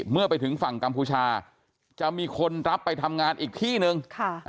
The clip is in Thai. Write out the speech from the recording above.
เมื่อไปถึงฝั่งกัมพูชาจะมีคนรับไปทำงานอีกที่นึง